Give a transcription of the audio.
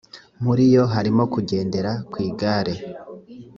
muri yo harimo kugendera kw’ igare.